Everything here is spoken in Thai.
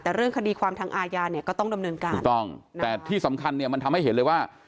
แต่เรื่องคดีความทางอาญาเนี่ยก็ต้องดำเนินการถูกต้องแต่ที่สำคัญเนี่ยมันทำให้เห็นเลยว่า